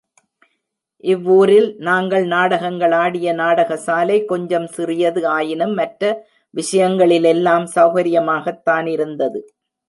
இவ்வூரில் நாங்கள் நாடகங்களாடிய நாடகசாலை கொஞ்சம் சிறியது ஆயினும் மற்ற விஷயங்களிலெல்லாம் சௌகரியமாகத் தானிருந்தது.